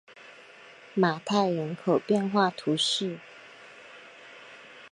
马泰人口变化图示